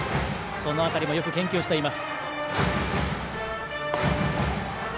その辺りもよく研究しています。